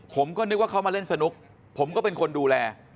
ผมก็นึกว่าเขามาเล่นสนุกผมก็เป็นคนดูแล